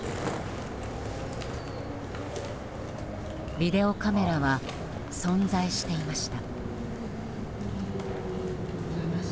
ビデオカメラは存在していました。